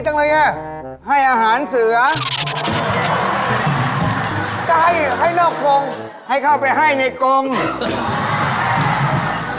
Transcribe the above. ก็ให้ให้นอกโครงให้เข้าไปให้ในโครง